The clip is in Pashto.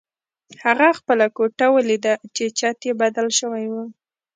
هغه خپله کوټه ولیده چې چت یې بدل شوی و